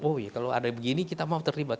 oh ya kalau ada begini kita mau terlibat